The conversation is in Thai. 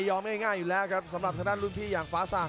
ไม่ยอมง่ายง่ายอยู่แล้วครับสำหรับท่านรุ่นพี่อย่างฟ้าสัง